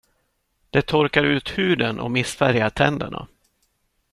Det torkar ut huden och missfärgar tänderna.